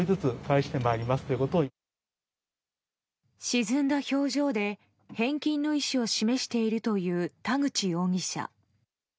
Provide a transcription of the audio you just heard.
沈んだ表情で返金の意思を示しているという田口容疑者。